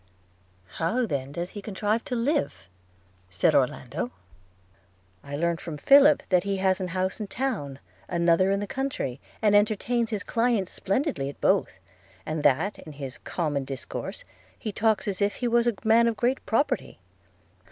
'How then does he contrive to live?' said Orlando: 'I learn from Philip that he has an house in town, another in the country, and entertains his clients splendidly at both; and that, in his common discourse, he talks as if he was a man of great property.'